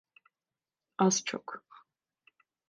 Az çok.